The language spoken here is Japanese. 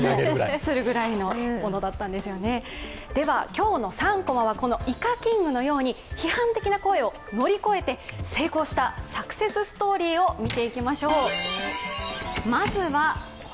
今日の３コマはこのイカキングのように批判的な声を乗り越えて成功したサクセスストーリーを見ていきましょう。